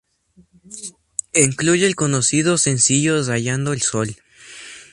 Incluye el conocido sencillo "Rayando el sol".